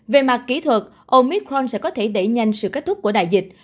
về mặt kỹ thuật omitron sẽ có thể đẩy nhanh sự kết thúc của đại dịch